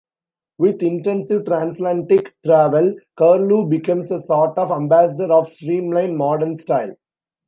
With intensive transatlantic travel, Carlu becomes a sort of ambassador of Streamline Moderne style.